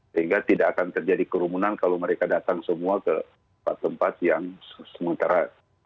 sehingga tidak akan terjadi kerumunan kalau mereka datang semua ke tempat tempat yang sementara